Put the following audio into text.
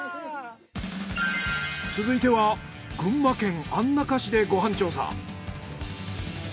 続いては群馬県安中市でご飯調査。